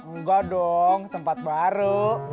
enggak dong tempat baru